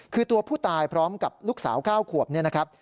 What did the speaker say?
คือตัวผู้ตายพร้อมกับลูกสาว๙ขวบเนี่ยนะครับ